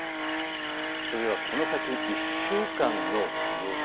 それではこの先１週間の予想